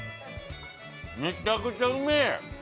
めちゃくちゃうめえ！